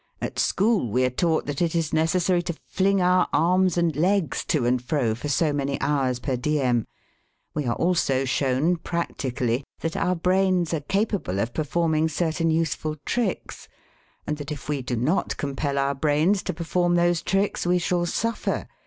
At school we are taught that it is necessary to fling our arms and legs to and fro for so many hours per diem. We are also shown, practically, that our brains are capable of performing certain useful tricks, and that if we do not compel our brains to perform those tricks we shall suffer.